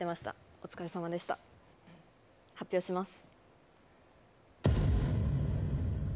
お疲れさまでした。発表します。